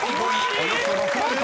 およそ６万ｔ］